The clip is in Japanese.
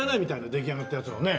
出来上がったやつをね。